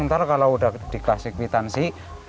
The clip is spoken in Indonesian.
ntar kalau udah dikasih kwitansi